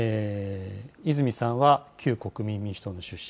泉さんは旧国民民主党の出身。